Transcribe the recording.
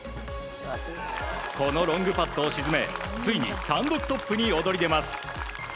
このロングパットを沈めついに単独トップに躍り出ます。